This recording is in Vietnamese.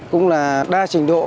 cũng là đa trình độ